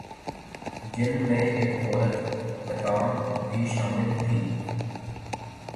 "جن میں ایک عورت "قطام" بھی شامل تھی"